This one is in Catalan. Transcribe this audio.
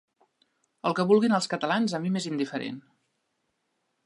El que vulguin els catalans, a mi m'és indiferent.